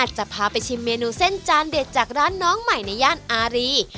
จะพาไปชิมเมนูเส้นจานเด็ดจากร้านน้องใหม่ในย่านอารี